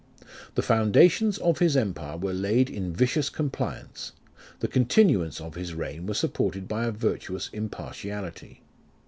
The foundations of his empire were laid in vicious compliance, the continuance of his reign was supported by a virtuous impartiality.